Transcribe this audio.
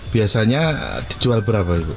biasanya dijual berapa itu